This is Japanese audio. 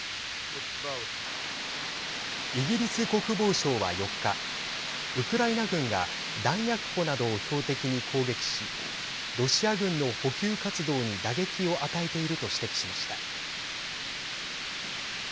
イギリス国防省は、４日ウクライナ軍が弾薬庫などを標的に攻撃しロシア軍の補給活動に打撃を与えていると指摘しました。